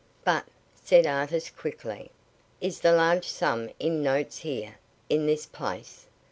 "But," said Artis, quickly, "is the large sum in notes here in this place?"